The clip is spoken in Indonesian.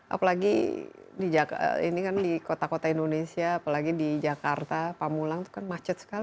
apalagi ini kan di kota kota indonesia apalagi di jakarta pamulang itu kan macet sekali